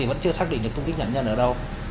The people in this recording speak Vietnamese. vẫn chưa xác định được tung tích nạn nhân ở đâu